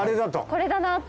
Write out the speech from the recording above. これだなと。